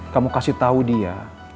kamu kasih tau dia